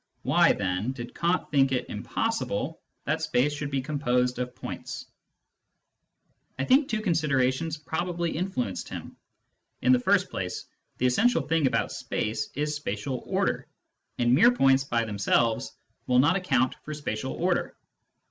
Why, then, did Kant think it impossible that space should be composed of points ? I think two considerations probably influenced him. In the first place, the essential thing about space is spatial order, and mere points, by themselves, will not account for spatial order.